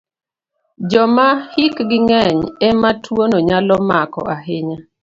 Joma hikgi ng'eny e ma tuwono nyalo mako ahinya.